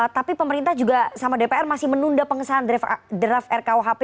tapi pemerintah juga sama dpr masih menunda pengesahan draft rkuhp